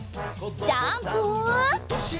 ジャンプ！